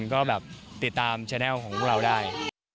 ก็แบบติดตามแชนัลของพวกเราได้